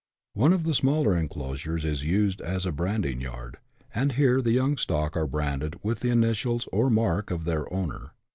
One of the smaller enclosures is used as a branding yard, and here the young stock are branded with the initials or mark of their owner.